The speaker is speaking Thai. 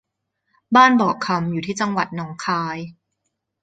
บ้านบ่อคำอยู่ที่จังหวัดหนองคาย